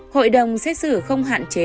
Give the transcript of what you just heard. hội đồng xét xử không hạn chế